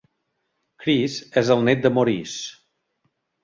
Chris és el nét de Maurice.